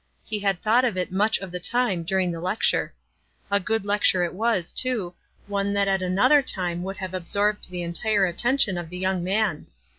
He had thought of it much of the time during the lec ture. A good lecture it was, too, one that at another time would have absorbed the entire at tention of the young man.